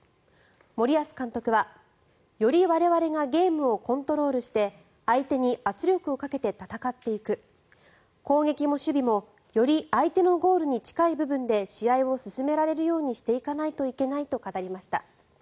森保監督は、より我々がゲームをコントロールして相手に圧力をかけて戦っていく攻撃も守備もより相手のゴールに近い部分で試合を進められるようにしていかないといけないと語りました。